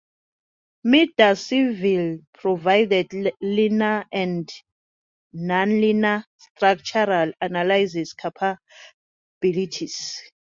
Midas Civil provides linear and nonlinear structural analysis capabilities.